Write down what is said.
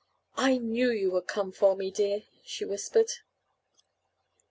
"I knew you would come for me, dear," she whispered.